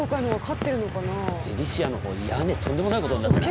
エリシアニのほう屋根とんでもないことになってない？